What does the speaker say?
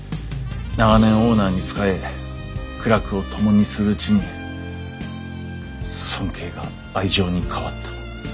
長年オーナーに仕え苦楽を共にするうちに尊敬が愛情に変わった。